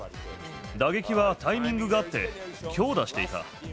打撃はタイミングが合って、強打していた。